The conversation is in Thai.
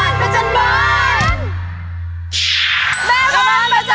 อ๋อมสุกราวใจผู้สวดค่ะ